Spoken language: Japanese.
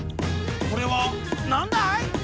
これはなんだい？